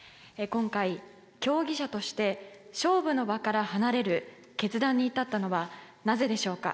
今回、競技者として勝負の場から離れる決断に至ったのはなぜでしょうか。